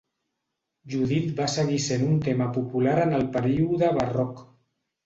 Judit va seguir sent un tema popular en el període barroc.